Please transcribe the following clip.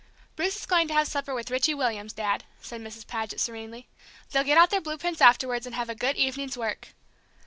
"Bruce is going to have supper with Richie Williams, Dad," said Mrs. Paget, serenely. "They'll get out their blue prints afterwards and have a good evening's work.